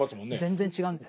全然違うんですよ。